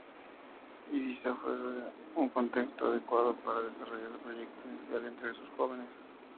Ibiza fue un contexto adecuado para desarrollar el proyecto inicial entre sus jóvenes.